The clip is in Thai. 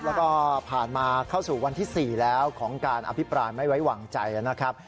แล้วก็ผ่านมาเข้าสู่วันที่๔แล้วของการอภิปรายไม่ไว้วางใจนะครับ